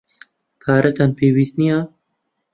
پارەتان پێویست نییە.